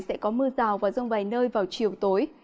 sẽ có mưa rào và rông vài nơi vào chiều tối